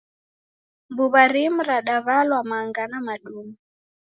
Mbuw'a rimu radaw'alwa manga na maduma.